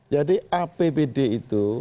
jadi apbd itu